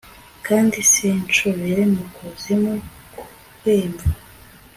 kandi sincubire mu kuzimu kw'imva